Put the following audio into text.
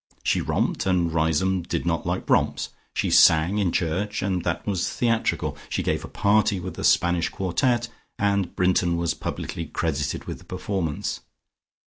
She romped, and Riseholme did not like romps; she sang in church, and that was theatrical; she gave a party with the Spanish quartette, and Brinton was publicly credited with the performance.